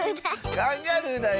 カンガルーだよ。